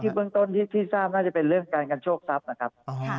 เบื้องต้นที่ทราบน่าจะเป็นเรื่องการกันโชคทรัพย์นะครับ